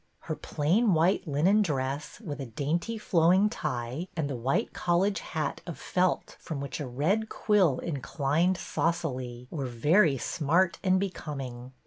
Her plain white linen dress, with a dainty flowing tie, and the white college hat of felt, from which a red quill inclined saucily, were very smart and becoming.